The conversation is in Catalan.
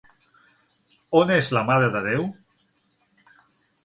On és la Mare de Déu?